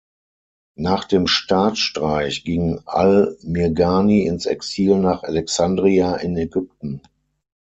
Nach dem Staatsstreich ging al-Mirghani ins Exil nach Alexandria in Ägypten.